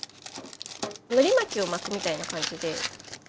のり巻きを巻くみたいな感じで。